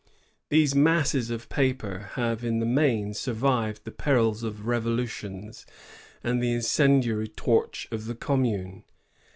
These masses of paper have in the n^ain survived the perils of revolutions and the incendiary torch of the Commune.